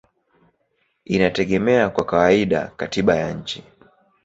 inategemea kwa kawaida katiba ya nchi.